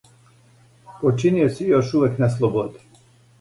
Починиоци су још увијек на слободи.